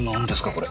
これ。